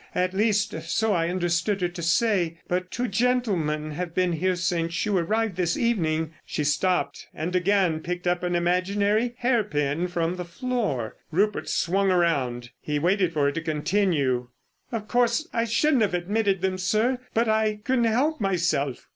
At least, so I understood her to say. But two gentlemen have been here since you arrived this evening——" She stopped, and again picked up an imaginary hairpin from the floor. Rupert swung round. He waited for her to continue. "Of course, I shouldn't have admitted them, sir—but, I couldn't help myself."